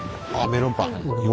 メロンパン。